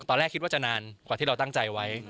ตอนแรกคิดว่าจะนานกว่าที่เราตั้งใจไว้